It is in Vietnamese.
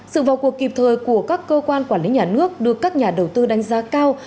sự vào cuộc kịp thời của các cơ quan quản lý nhà nước được các nhà đầu tư đánh giá cao